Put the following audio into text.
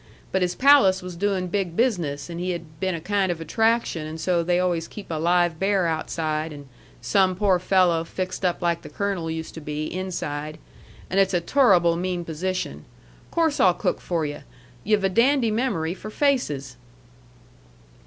But his palace was doin' big business, and he had been a kind of attraction, and so they always keep a live bear outside, and some poor fello', fixed up like the Colonel used to be, inside. And it's a turruble mean position. Course I'll cook for yu'. Yu've a dandy memory for faces!"